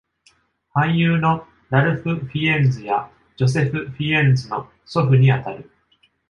俳優のラルフ・フィエンズやジョセフ・フィエンズの祖父にあたる。